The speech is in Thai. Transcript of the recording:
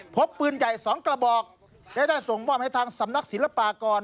พบปืนใหญ่๒กระบอกและได้ส่งมอบให้ทางสำนักศิลปากร